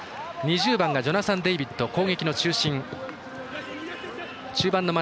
２０番がジョナサン・デイビッド攻撃の中心。